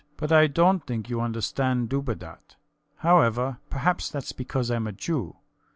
But I dont think you understand Dubedat. However, perhaps thats because I'm a Jew.